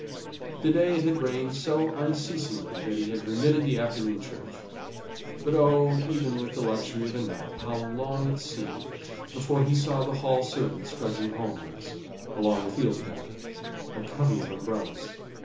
To day it had rained so unceasingly that he had remitted the afternoon church; but oh, even with the luxury of a nap, how long it seemed before he saw the Hall servants trudging homewards, along the field path, a covey of umbrellas!